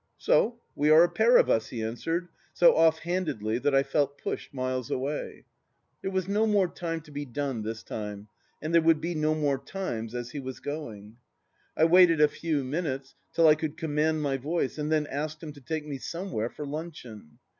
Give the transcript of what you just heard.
" So we are a pair of us," he answered, so off handedly that I felt pushed miles away. ... There was no more to be done, this time ... and there would be no more times, as he was going !... I waited a few minutes till I could command my voice, and then asked him to take me somewhere for luncheon.